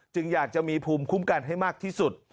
อยากจะมีภูมิคุ้มกันให้มากที่สุด